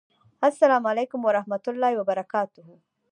السلام علیکم ورحمة الله وبرکاته!